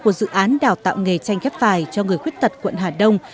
của dự án đào tạo nghề tranh ghép bằng vải cho người khuyết tật quận hà đông